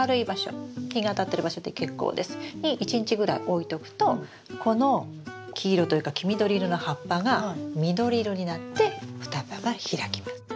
日があたってる場所で結構です。に１日ぐらい置いとくとこの黄色というか黄緑色の葉っぱが緑色になって双葉が開きます。